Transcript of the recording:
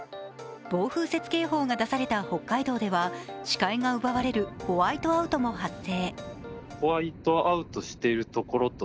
暴風雪警報が出された北海道では視界が奪われるホワイトアウトも発生。